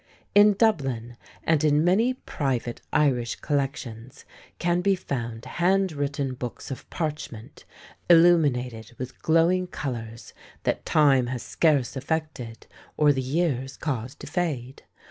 In Dublin and in many private Irish collections can be found hand written books of parchment, illuminated with glowing colors that time has scarce affected or the years caused to fade.